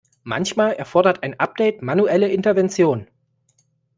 Manchmal erfordert ein Update manuelle Intervention.